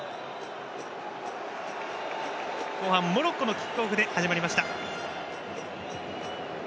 後半、モロッコのキックオフで始まりました。